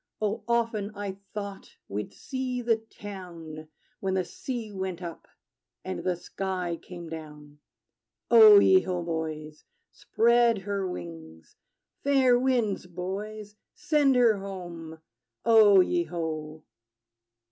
Oh, often I thought we'd see the town, When the sea went up, and the sky came down. O ye ho, boys! Spread her wings! Fair winds, boys: send her home! O ye ho!